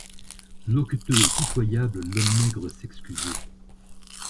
Loqueteux et pitoyable, l'homme maigre s'excusait.